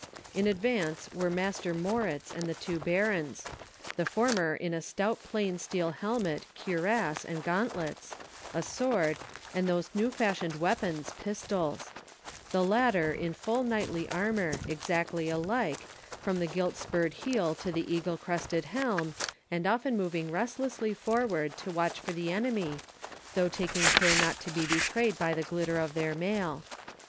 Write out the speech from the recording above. In advance were Master Moritz and the two barons, the former in a stout plain steel helmet, cuirass, and gauntlets, a sword, and those new fashioned weapons, pistols; the latter in full knightly armour, exactly alike, from the gilt spurred heel to the eagle crested helm, and often moving restlessly forward to watch for the enemy, though taking care not to be betrayed by the glitter of their mail.